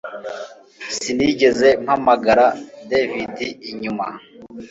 Sinigeze mpamagara David inyuma